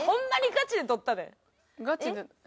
ガチで。